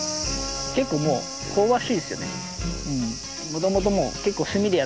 結構もう香ばしいですよね。